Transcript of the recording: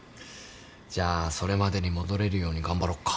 じゃあそれまでに戻れるように頑張ろっか。